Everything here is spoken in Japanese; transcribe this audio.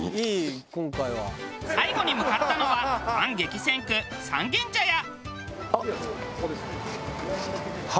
最後に向かったのはパン激戦区三軒茶屋。